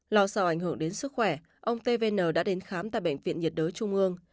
lò sao ảnh hưởng đến sức khỏe ông tvn đã đến khám tại bệnh viện nhiệt đới trung ương